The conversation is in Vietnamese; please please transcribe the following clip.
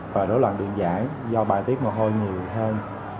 và đối loạn điện giải do bài tiết mồ hôi nhiều hơn